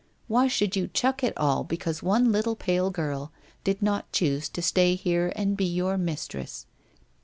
Why should you chuck it all because one little pale girl did not choose to stay here and be your mistress?